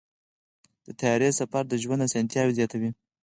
د طیارې سفر د ژوند اسانتیاوې زیاتوي.